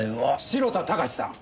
城田貴さん。